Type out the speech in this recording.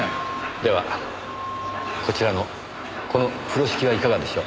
ではこちらのこの風呂敷はいかがでしょう？